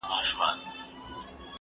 هغه وويل چي مرسته کول مهم دي!؟